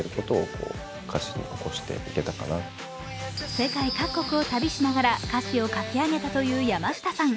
世界各国を旅しながら歌詞を書き上げたという山下さん。